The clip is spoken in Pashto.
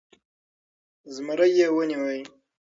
زمری يې و نيوی .